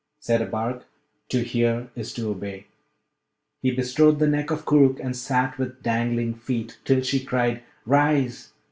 Said Abarak, 'To hear is to obey!' He bestrode the neck of Koorookh and sat with dangling feet, till she cried, 'Rise!'